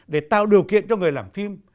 để tạo điều kiện cho người làm phim